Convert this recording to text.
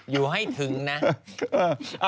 อยู่ให้ถึงนะ